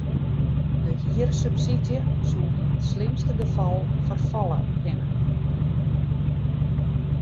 De hiersubsydzje soe yn it slimste gefal ferfalle kinne.